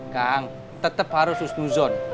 kang tetap harus usnuzon